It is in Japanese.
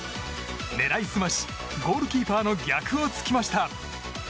狙いすましゴールキーパーの逆を突きました。